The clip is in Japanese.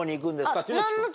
っていうのを聞くの？